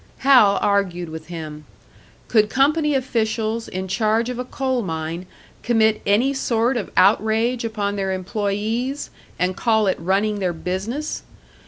Hal argued with him. Could company officials in charge of a coal mine commit any sort of outrage upon their employés, and call it running their business?